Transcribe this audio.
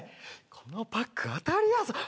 このパック当たりやぞ。